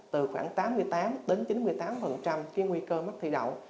từ khoảng tám mươi tám đến chín mươi tám cái nguy cơ mắc thủy đậu